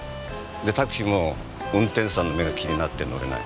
タクシーも運転手さんの目が気になって乗れない。